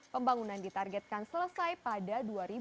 pembangunan ditargetkan selesai pada dua ribu dua puluh